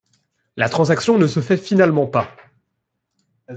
La transaction ne se fait finalement pas.